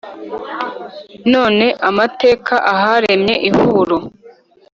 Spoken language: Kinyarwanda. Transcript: none amateka aharemye ihuro.